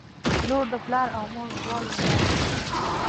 • لور د پلار او مور دواړو ویاړ وي.